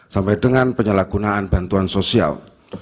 sampai dengan penyalahgunaan bantuan sosial